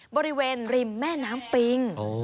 บริเวณริมแม่น้ำปิง